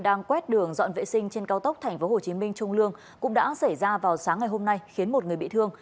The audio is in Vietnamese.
đang quét đường dọn vệ sinh trên cao tốc tp hcm trung lương cũng đã xảy ra vào sáng ngày hôm nay khiến một người bị thương